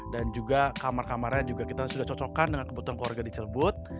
dan juga kamar kamarnya juga kita sudah cocokkan dengan kebutuhan keluarga di cilbut